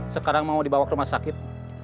sekarang mau dibawa ke rumah sakit